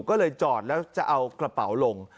ก็เลยจอดแล้วจะเอากระเป๋าลง